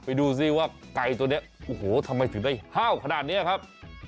ไปดูซิว่าไก่ตัวนี้ทำไมถึงได้ฮ่าวขนาดนี้ครับ